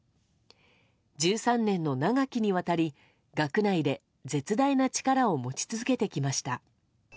１３年の長きにわたり学内で絶大な力を持ち続けてきました。